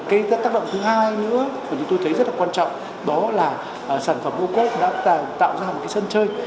cái tác động thứ hai nữa mà chúng tôi thấy rất là quan trọng đó là sản phẩm ô cốp đã tạo ra một cái sân chơi